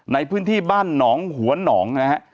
ในพื้นที่บ้านหนองหัวหนองนะฮะ